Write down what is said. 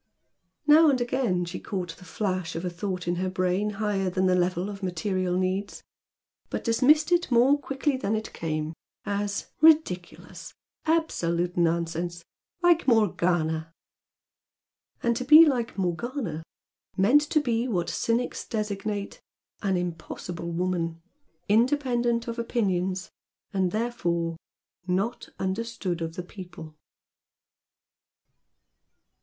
Now and again she caught the flash of a thought in her brain higher than the level of material needs, but dismissed it more quickly than it came as "Ridiculous! Absolute nonsense! Like Morgana!" And to be like Morgana, meant to be like what cynics designate "an impossible woman," independent of opinions and therefore "not understood of the people."